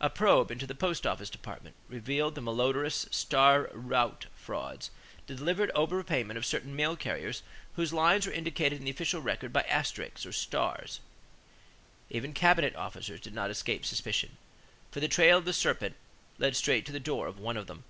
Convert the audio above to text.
A probe into the post office department revealed the malodorous "star route frauds" the deliberate overpayment of certain mail carriers whose lines were indicated in the official record by asterisks or stars. Even cabinet officers did not escape suspicion, for the trail of the serpent led straight to the door of one of them.